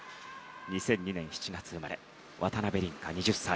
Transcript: ２００２年７月生まれ渡辺倫果、２０歳。